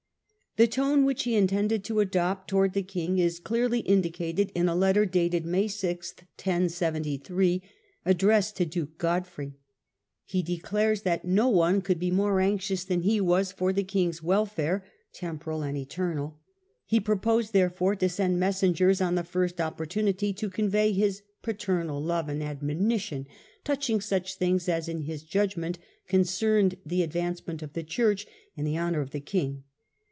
The tone which he intended to adopt towards the king is clearly indicated in a letter (dated May 6, 1073) Letter of addrcsscd to duke Godfrey. He declares that todlAr^ ^^^^® could be more anxious than he was for ^^^'®y the king's welfare, t emporal and eternal ; he purposed, therefore, to send messengers on the first opportunity to convey his paternal love and admonition touching such things as, in his judgment, concerned the advancement of the Church and the honour of the king.